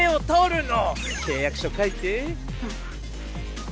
契約書書いて。